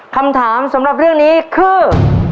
คำถามสำหรับเรื่องนี้คือ